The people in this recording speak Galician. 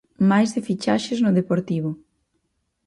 Máis de fichaxes no Deportivo.